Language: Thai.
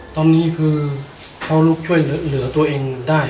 ตอนนี้คือเขาลุกช่วยเหลือตัวเองได้